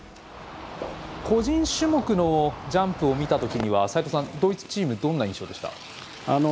個人種目のジャンプを見たときにはドイツチームどんな印象でした？